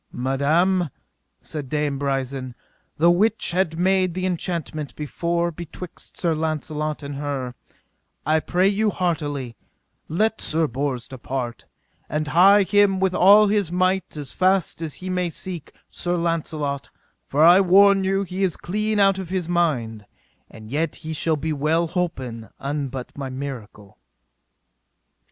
Madam, said Dame Brisen, the which had made the enchantment before betwixt Sir Launcelot and her, I pray you heartily, let Sir Bors depart, and hie him with all his might as fast as he may to seek Sir Launcelot, for I warn you he is clean out of his mind; and yet he shall be well holpen an but by miracle.